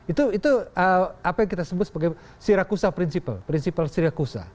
itu apa yang kita sebut sebagai siracusa principle